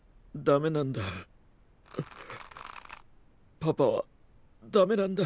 パパはダメなんだ。